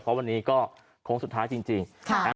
เพราะวันนี้ก็คงสุดท้ายจริง